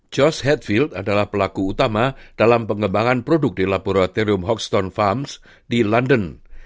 josh hetfield adalah pelaku utama dalam pengembangan produk di laboratorium hoxton farms di london